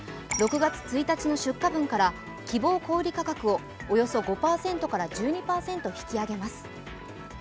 ６月１日の出荷分から希望小売価格をおよそ５％から１２％引き上げます。